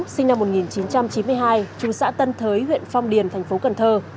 sinh năm một nghìn chín trăm chín mươi hai chú xã tân thới huyện phong điền thành phố cần thơ